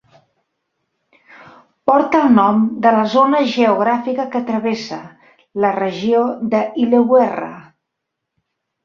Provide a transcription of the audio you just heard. Porta el nom de la zona geogràfica que travessa, la regió d'Illawarra.